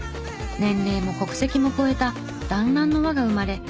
年齢も国籍も超えただんらんの輪が生まれ